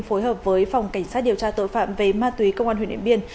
phối hợp với phòng cảnh sát điều tra tội phạm về ma túy công an huyện điện biên